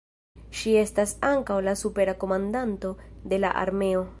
Ŝi estas ankaŭ la supera komandanto de la armeo.